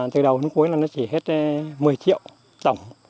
từ đầu đến cuối là nó chỉ hết một mươi triệu tổng